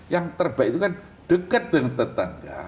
yang terbaik itu kan dekat dengan tetangga